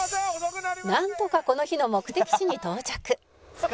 「なんとかこの日の目的地に到着」